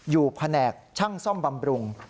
แผนกช่างซ่อมบำรุง